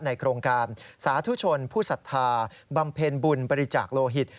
โครงการสาธุชนผู้ศรัทธาบำเพ็ญบุญบริจาคโลหิต